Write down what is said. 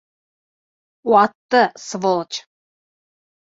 Ватты, сволочь!